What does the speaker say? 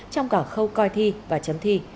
trong cả khâu coi thi và chấm thi